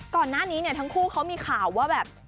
ก่อนหน้านี้เนี่ยทั้งคู่เขามีข่าวว่าแบบ